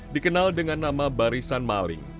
dikenal dengan nama barisan maling